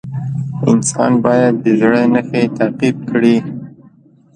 انسان باید د زړه نښې تعقیب کړي.